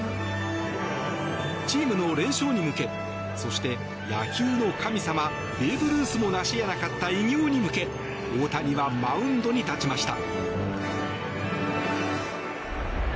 チームの連勝に向けそして野球の神様ベーブ・ルースも成し得なかった偉業に向け大谷はマウンドに立ちました。